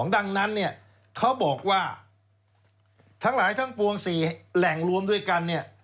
ดังนั้นเนี่ยเขาบอกว่าทั้งหลายทั้งปวง๔แหล่งรวมด้วยกันเนี่ย